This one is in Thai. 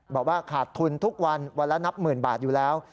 บอกว่าขาดทุนทุกวันเมื่อละ๑๐๐๐๐บาทอยู่แล้ว